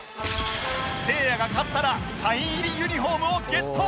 せいやが勝ったらサイン入りユニフォームをゲット！